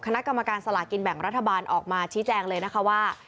คณะกรรมการสลากินแบ่งรัฐบาลออกมาชี้แจงเลยนะคะว่า